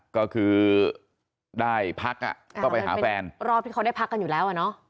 ก็คือได้พักอ่ะก็ไปหาแฟนรอบที่เขาได้พักกันอยู่แล้วอ่ะเนอะ